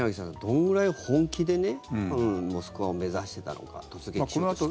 どのぐらい本気でモスクワを目指していたのか突撃しようとしていたのか。